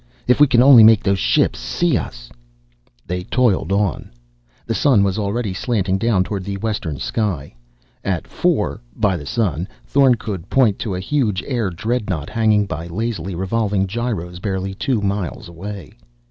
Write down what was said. If we can only make those ships see us...." They toiled on. The sun was already slanting down toward the western sky. At four by the sun Thorn could point to a huge air dreadnaught hanging by lazily revolving gyros barely two miles away.